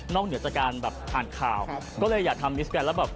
เหนือจากการแบบอ่านข่าวก็เลยอยากทำมิสแกนแล้วแบบ